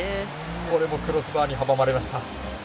これもクロスバーに阻まれました。